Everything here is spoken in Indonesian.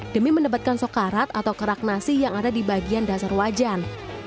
demi mendapatkan sokarat atau kerak nasi yang ada di bagian dasar wajan